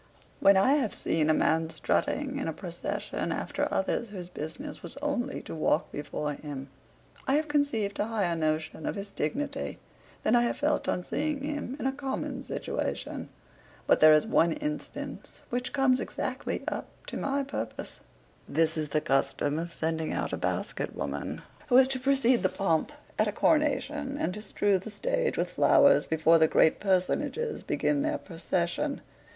When I have seen a man strutting in a procession, after others whose business was only to walk before him, I have conceived a higher notion of his dignity than I have felt on seeing him in a common situation. But there is one instance, which comes exactly up to my purpose. This is the custom of sending on a basket woman, who is to precede the pomp at a coronation, and to strew the stage with flowers, before the great personages begin their procession.